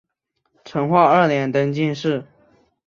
成化二年登进士。